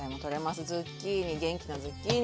ズッキーニ元気なズッキーニ。